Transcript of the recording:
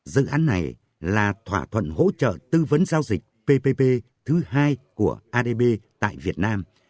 dự án này là thỏa thuận hỗ trợ tư vấn giao dịch ppp thứ hai của adb tại việt nam